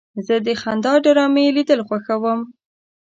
زه د خندا ډرامې لیدل خوښوم.